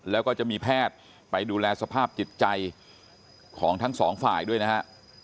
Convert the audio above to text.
แล้วก็จะมีแพทย์ไปดูแลสภาพจิตใจของทั้งสองฝ่ายด้วยนะฮะ